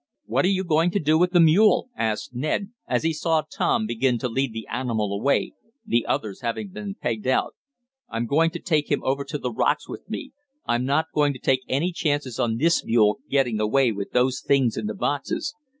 "What are you going to do with that mule?" asked Ned, as he saw Tom begin to lead the animal away, the others having been pegged out. "I'm going to take him over to the rocks with me. I'm not going to take any chances on this mule getting away with those things in the boxes.